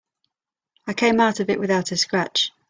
I came out of it without a scratch.